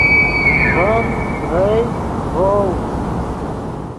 ڤیم، ڤئے، ڤؤ